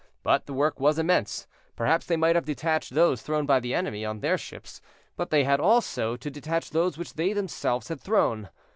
But the work was immense; perhaps they might have detached those thrown by the enemy on their ships, but they had also to detach those which they themselves had thrown.